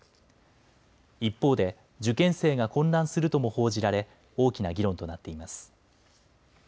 一方で受験生が混乱するとも報じられ大きな議論となっています。